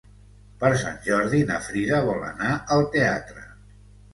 Per Sant Jordi na Frida vol anar al teatre.